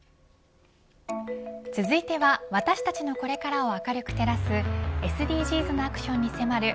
続いては私たちのこれからを明るく照らすＳＤＧｓなアクションに迫る＃